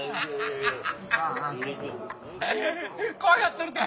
怖がっとるんか？